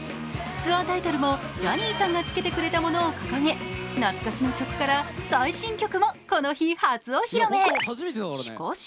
ツアータイトルも、ジャニーさんがつけてくれたものを掲げ懐かしの曲から最新曲もこの日、初お披露目、しかし